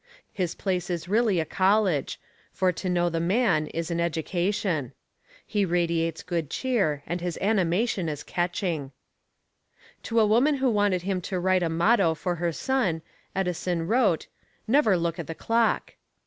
His place is really a college, for to know the man is an education. He radiates good cheer and his animation is catching. To a woman who wanted him to write a motto for her son, Edison wrote, "Never look at the clock!"